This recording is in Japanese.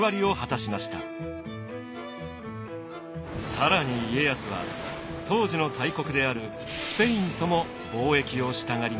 更に家康は当時の大国であるスペインとも貿易をしたがりました。